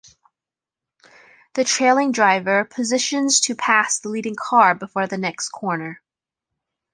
The trailing driver positions to pass the leading car before the next corner.